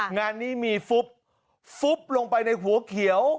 งานนี้มีฟุบลงไปในหัวเขียว